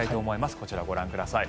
こちら、ご覧ください。